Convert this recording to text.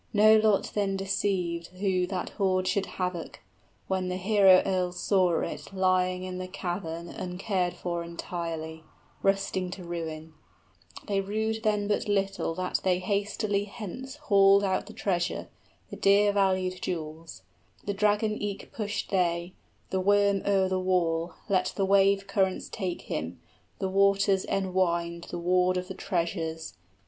No lot then decided Who that hoard should havoc, when hero earls saw it Lying in the cavern uncared for entirely, Rusting to ruin: they rued then but little 70 That they hastily hence hauled out the treasure, {They push the dragon over the wall.} The dear valued jewels; the dragon eke pushed they, The worm o'er the wall, let the wave currents take him, The waters enwind the ward of the treasures.